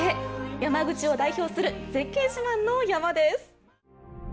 山口を代表する絶景自慢の山です。